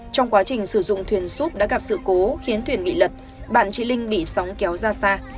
trong quá trình sử dụng thuyền súp đã gặp sự cố khiến thuyền bị lật bạn chị linh bị sóng kéo ra xa